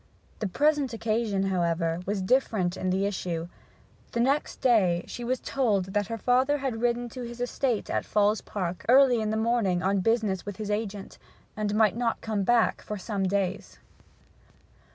The present occasion, however, was different in the issue: next day she was told that her father had ridden to his estate at Falls Park early in the morning on business with his agent, and might not come back for some days.